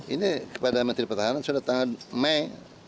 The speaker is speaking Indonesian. ini kepada menteri pertahanan sudah tanggal mei dua ribu tujuh belas